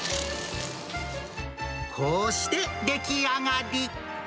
こうして出来上がり。